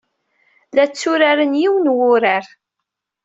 La tturarent yiwen n wurar.